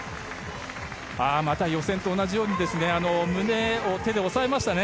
また予選と同じように胸を手で押さえましたね。